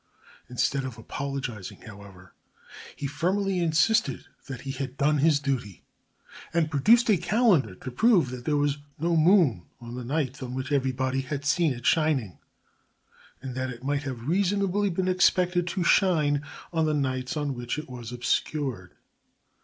Instead of apologising, however, he firmly insisted that he had done his duty, and produced a calendar to prove that there was no moon on the nights on which everybody had seen it shining, and that it might have reasonably been expected to shine on the nights on which it was obscured.